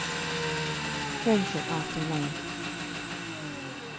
FRIENDSHIP AFTER LOVE.